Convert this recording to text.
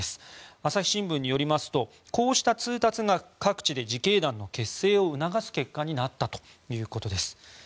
朝日新聞によりますとこうした通達が各地で自警団の結成を促す結果になったということです。